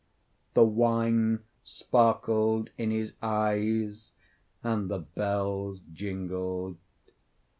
The wine sparkled in his eyes and the bells jingled.